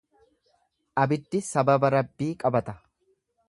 Abiddi sababa Rabbii qabata.